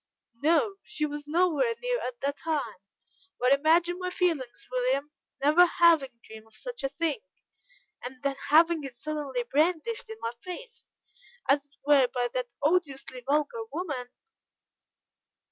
"No, she was nowhere near at the time, but imagine my feelings, William, never having dreamed of such a thing, and then having it suddenly brandished in my face, as it were, by that odiously vulgar woman."